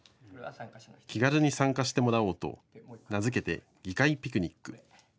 気軽に参加してもらおうと名付けて議会ピクニック。